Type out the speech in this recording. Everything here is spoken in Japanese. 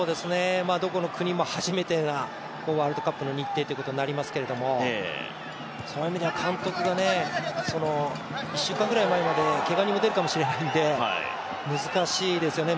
どこの国も初めてなワールドカップの日程になりますがそういう意味では監督が１週間ぐらい前までけが人が出るかもしれないんで難しいですよね